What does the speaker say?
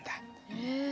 へえ。